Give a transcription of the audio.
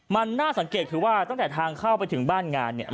มันน่าสังเกตคือว่าตั้งแต่ทางเข้าไปถึงบ้านงานเนี่ย